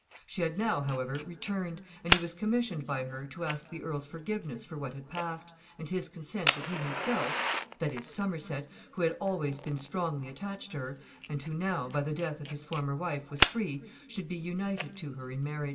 She had now, however, returned, and he was commissioned by her to ask the earl's forgiveness for what had passed, and his consent that he himself that is, Somerset, who had always been strongly attached to her, and who now, by the death of his former wife, was free, should be united to her in marriage.